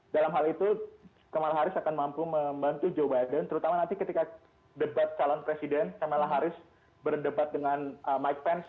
dalam hal itu kamala harris akan mampu membantu joe biden terutama nanti ketika debat calon presiden kamala harris berdebat dengan mike pence